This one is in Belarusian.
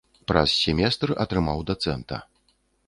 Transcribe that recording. Праз семестр атрымаў дацэнта.